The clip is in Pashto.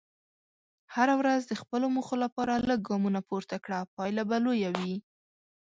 هره ورځ د خپلو موخو لپاره لږ ګامونه پورته کړه، پایله به لویه وي.